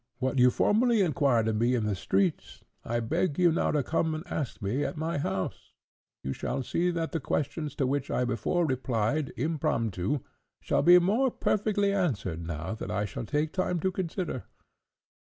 What you formerly enquired of me in the streets, I beg you now to come and ask me at my house, when you shall see that the questions to which I before replied, impromptu, shall be more perfectly answered now that I shall take time to consider."